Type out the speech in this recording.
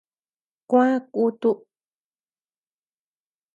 Kuä kutu.